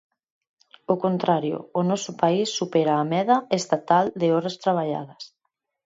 O contrario, o noso país supera a meda estatal de horas traballadas.